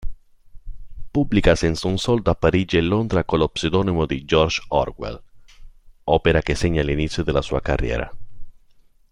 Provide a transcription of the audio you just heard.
Pubblica Senza un soldo a Parigi e Londra con lo pseudonimo di George Orwell, opera che segna l'inizio della sua carriera.